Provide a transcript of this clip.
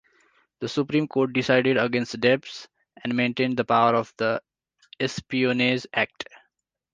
The Supreme Court decided against Debs, and maintained the power of the Espionage Act.